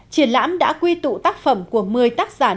triển lãm đã quy tụ tác phẩm của một mươi tác giả